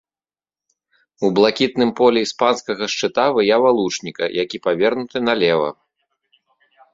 У блакітным полі іспанскага шчыта выява лучніка, які павернуты налева.